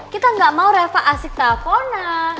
kita nggak mau reva asik trafona